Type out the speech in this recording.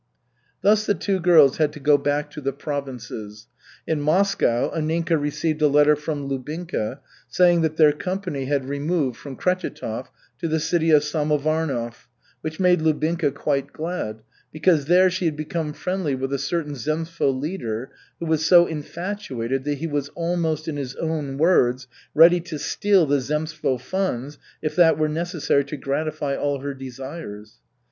Thus the two girls had to go back to the provinces. In Moscow Anninka received a letter from Lubinka, saying that their company had removed from Krechetov to the city of Samovarnov, which made Lubinka quite glad, because there she had become friendly with a certain zemstvo leader, who was so infatuated that he was almost, in his own words, "ready to steal the zemstvo funds, if that were necessary to gratify all her desires."